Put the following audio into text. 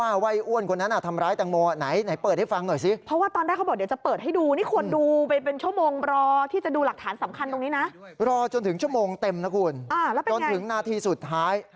แล้วเป็นอย่างไรจนถึงนาทีสุดท้าย